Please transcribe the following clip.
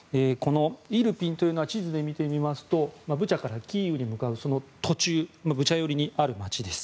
イルピンというのは地図で見るとブチャからキーウに向かう途中のブチャ寄りにある街です。